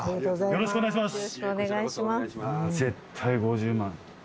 よろしくお願いします。